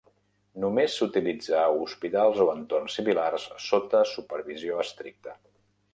Només s'utilitza a hospitals o entorns similars sota supervisió estricta.